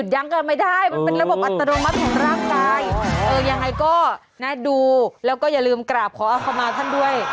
ยังไงก็ดูแล้วก็อย่าลืมกราบขออาคมาท่านด้วย